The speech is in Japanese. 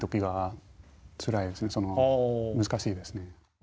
難しいですね。